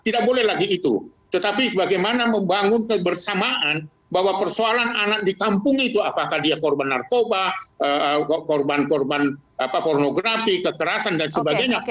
tidak boleh lagi itu tetapi bagaimana membangun kebersamaan bahwa persoalan anak di kampung itu apakah dia korban narkoba korban korban pornografi kekerasan dan sebagainya